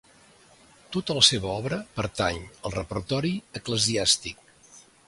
Tota la seva obra pertany al repertori eclesiàstic.